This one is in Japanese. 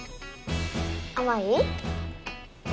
あまい？え？